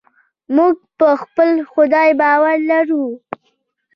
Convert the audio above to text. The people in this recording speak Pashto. موږ په خپل خدای باور لرو.